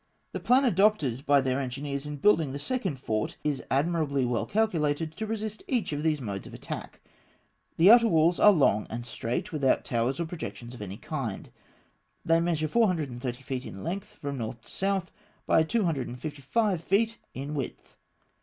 The plan adopted by their engineers in building the second fort is admirably well calculated to resist each of these modes of attack (fig. 26). The outer walls are long and straight, without towers or projections of any kind; they measure 430 feet in length from north to south, by 255 feet in width.